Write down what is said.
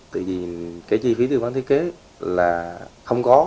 tại vì cái chi phí thư vấn thiết kế là không có